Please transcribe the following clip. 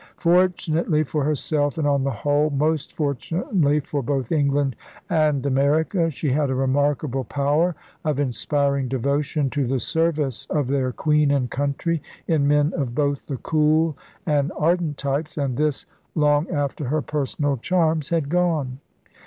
For tunately for herself and, on the whole, most fortunately for both England and America, she had a remarkable power of inspiring devotion to the service of their queen and country in men of both the cool and ardent types; and this long after her personal charms had gone.